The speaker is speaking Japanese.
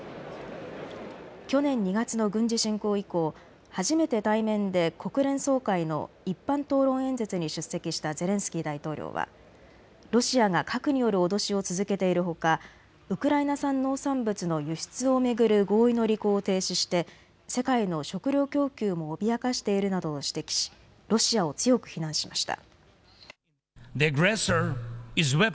去年２月の軍事侵攻以降、初めて対面で国連総会の一般討論演説に出席したゼレンスキー大統領はロシアが核による脅しを続けているほか、ウクライナ産農産物の輸出を巡る合意の履行を停止して世界の食料供給も脅かしているなどと指摘しロシアを強く非難しました。